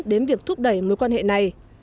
đến việc thúc đẩy mối quan hệ này